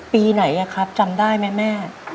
ปีไหนครับจำได้ไหมแม่